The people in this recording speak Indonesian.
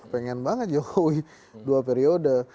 pengen banget jokowi dua periode